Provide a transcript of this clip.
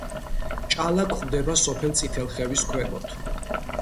ჭალა გვხვდება სოფელ წითელხევის ქვემოთ.